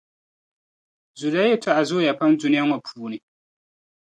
Zuliya yɛltͻŋa zooya pam dunia ŋͻ puuni .